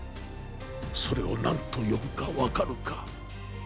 それを何と呼ぶかわかるか？